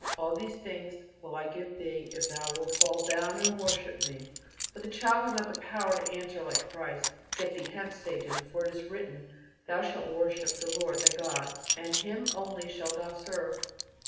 "All these things will I give Thee if thou wilt fall down and worship me." But the child has not the power to answer like Christ: "Get thee hence, Satan; for it is written: Thou shalt worship the Lord thy God, and Him only shalt thou serve."